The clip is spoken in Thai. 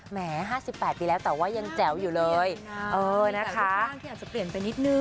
แหม๕๘ปีแล้วแต่ว่ายังแจ๋วอยู่เลยนะคะเปลี่ยนไปนิดนึง